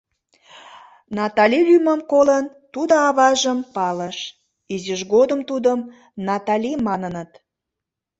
Натали лӱмым колын, тудо аважым палыш: изиж годым тудым Натали маныныт.